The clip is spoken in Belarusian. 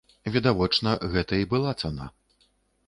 Відавочна, гэта і была цана.